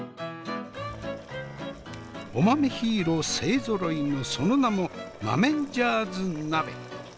お豆ヒーロー勢ぞろいのその名も豆ンジャーズ鍋。